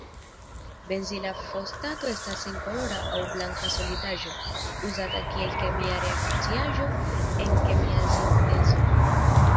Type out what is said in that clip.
Benzila fosfato estas senkolora aŭ blanka solidaĵo, uzata kiel kemia reakciaĵo en kemiaj sintezoj.